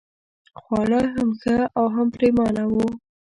خواړه هم ښه او هم پرېمانه وو.